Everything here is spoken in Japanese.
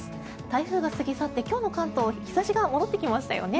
台風が過ぎ去って今日の関東は日差しが戻ってきましたよね。